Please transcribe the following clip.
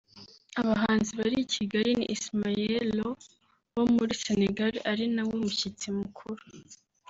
Abahanzi bari i Kigali ni Ismaël Lô wo muri Senegal ari nawe mushyitsi mukuru